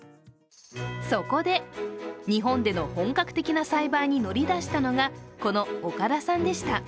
そこで日本での本格的な栽培に乗り出したのがこの岡田さんでした。